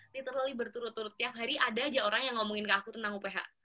teater lolly berturut turut tiap hari ada aja orang yang ngomongin ke aku tentang uph